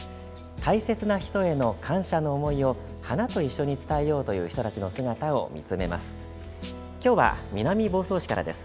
大切な人への感謝の思いを花と一緒に伝えようという人たちの姿を見つめます。